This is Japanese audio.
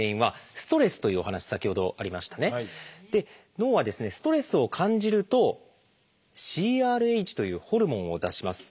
ストレスを感じると「ＣＲＨ」というホルモンを出します。